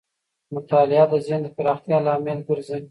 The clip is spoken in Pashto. مطالعه د ذهن د پراختیا لامل ګرځي.